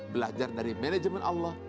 belajar dari manajemen allah